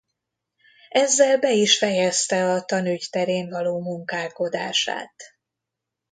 Ezzel be is fejezte a tanügy terén való munkálkodását.